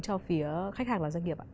cho phía khách hàng và doanh nghiệp ạ